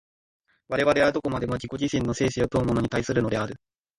我々はどこまでも自己自身の生死を問うものに対するのである。